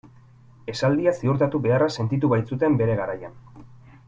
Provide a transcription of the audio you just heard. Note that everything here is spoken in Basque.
Esaldia ziurtatu beharra sentitu baitzuten bere garaian.